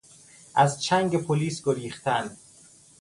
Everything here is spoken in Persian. از چنگ پلیس گریختن